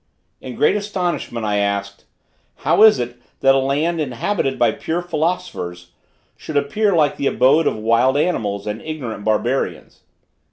In great astonishment I asked, "How is it, that a land inhabited by pure philosophers, should appear like the abode of wild animals and ignorant barbarians?"